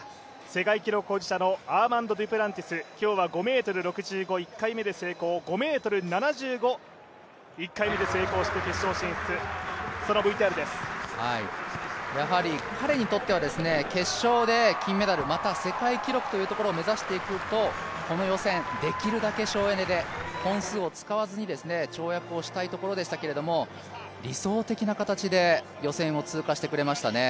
世界記録保持者のアーマンド・デュプランティス５ｍ６５、５ｍ７５、１回目で成功して決勝進出、やはり彼にとっては決勝で金メダル、また世界記録を目指していくとこの予選、できるだけ省エネで、本数を使わずに跳躍をしたいところでしたけれども理想的な形で予選を通過してくれましたね。